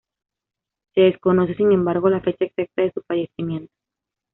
Se desconoce, sin embargo, la fecha exacta de su fallecimiento.